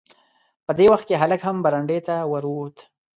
په دې وخت کې هلک هم برنډې ته ور ووت.